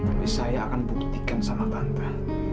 tapi saya akan buktikan sama tante